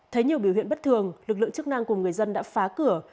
thấy nhiều biểu hiện bất thường lực lượng chức năng cùng người dân đã phá cửa